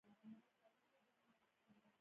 د تا خبره سمه ده خو زه یې نه منم